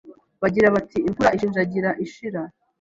bagira bati Imfura ishinjagira ishira.